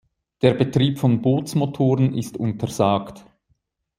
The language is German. Der Betrieb von Bootsmotoren ist untersagt.